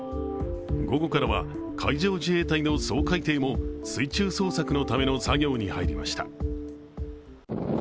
午後からは海上自衛隊の掃海艇も水中捜索のための作業に入りました。